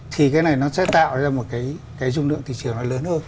thì cái này nó sẽ tạo ra một cái dung lượng thị trường nó lớn hơn